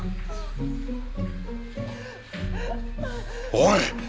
おい！